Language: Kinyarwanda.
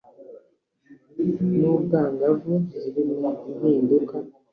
nu bwangavu zirimo impinduka